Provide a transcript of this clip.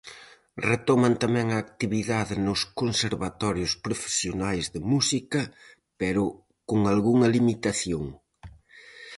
Retoman tamén a actividade nos conservatorios profesionais de música, pero co algunha limitación.